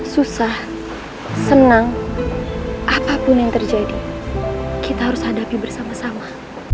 susah senang apapun yang terjadi kita harus hadapi bersama sama